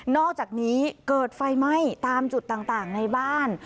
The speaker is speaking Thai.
อกจากนี้เกิดไฟไหม้ตามจุดต่างในบ้าน